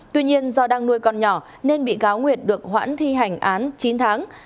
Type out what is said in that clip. tuy nhiên do đang nuôi con nhỏ nên bị cáo nguyệt được hoãn thi hành án chín tháng